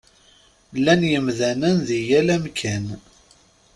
Llan yemdanen di yal amkan.